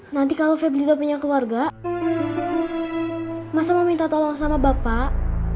nanti kalau febri udah punya keluarga masa mau minta tolong sama bapak